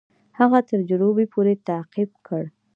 هغه تر جروبي پوري تعقیب کړ.